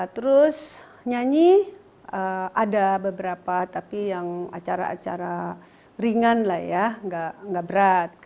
terus nyanyi ada beberapa tapi yang acara acara ringan lah ya nggak berat